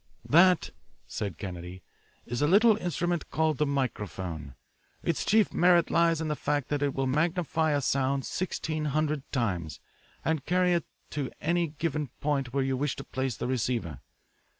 "That," said Kennedy, "is a little instrument called the microphone. Its chief merit lies in the fact that it will magnify a sound sixteen hundred times, and carry it to any given point where you wish to place the receiver.